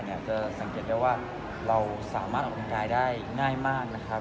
จะสังเกตได้ว่าเราสามารถออกกำลังกายได้ง่ายมากนะครับ